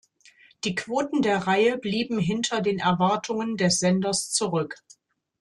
Die Quoten der Reihe blieben hinter den Erwartungen des Senders zurück.